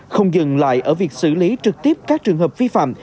không dừng lại ở việc xử lý trực tiếp các trường hợp vi phạm